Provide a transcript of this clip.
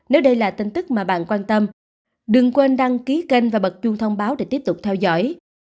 nếu đây là tin tức mà bạn quan tâm đừng quên đăng ký kênh và bật chuông thông báo để tiếp tục theo dõi